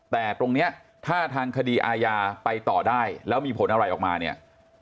แต่ตรงนี้ถ้าทางคดีอาญาไปต่อได้แล้วมีผลอะไรออกมาเนี่ย